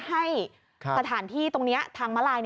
ให้สถานที่ตรงนี้ทางมาลาย